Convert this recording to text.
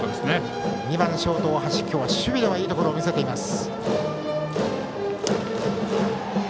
２番、ショート大橋守備でいいところを見せています。